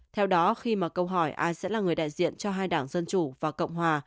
theo đó khi mà câu hỏi ai sẽ là người đại diện cho hai đảng dân chủ và cộng hòa